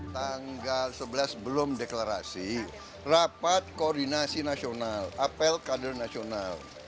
tanggal sebelas belum deklarasi rapat koordinasi nasional apel kader nasional